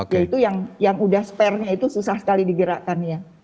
yaitu yang sudah spernya itu susah sekali digerakkan ya